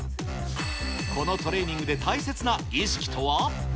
このトレーニングで大切な意識とは。